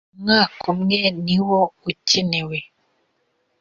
umwaka umwe niwo ukenewe.